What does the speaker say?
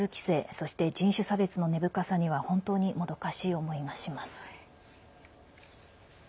そして、人種差別の根深さには本当に、もどかしい思いがします。